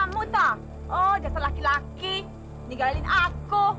kamu tak oh jasad laki laki ninggalin aku